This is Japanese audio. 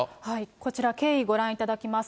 こちら、経緯ご覧いただきます。